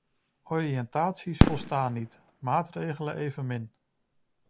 Oriëntaties volstaan niet, maatregelen evenmin.